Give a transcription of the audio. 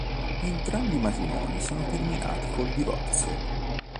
Entrambi i matrimoni sono terminati col divorzio.